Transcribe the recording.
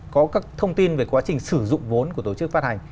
có các thông tin về quá trình sử dụng vốn của tổ chức phát hành